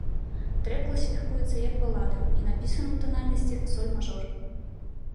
Трэк класіфікуецца як балада і напісаны ў танальнасці соль мажор.